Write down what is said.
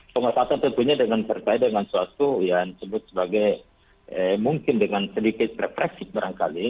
pengesahan tentunya dengan berkaitan dengan suatu yang sebut sebagai mungkin dengan sedikit represif barangkali